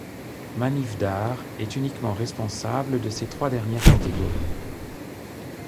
Manif d'art est uniquement responsable de ces trois dernières catégories.